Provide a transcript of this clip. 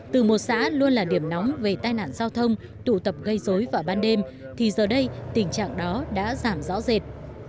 từ một xã luôn là điểm nóng về tai nạn giao thông tụ tập gây dối vào ban đêm thì giờ đây tình trạng đó đã giảm rõ rệt